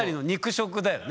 あだよね。